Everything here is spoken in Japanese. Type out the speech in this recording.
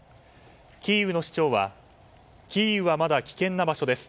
キーウの市長はキーウはまだ危険な場所です。